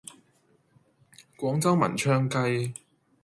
廣州文昌雞